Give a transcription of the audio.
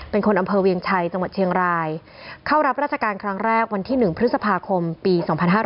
เป็นคนอำเภอเวียงชัยจังหวัดเชียงรายเข้ารับราชการครั้งแรกวันที่๑พฤษภาคมปี๒๕๕๙